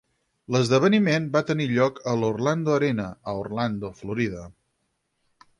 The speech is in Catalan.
L'esdeveniment va tenir lloc a l'Orlando Arena a Orlando, Florida.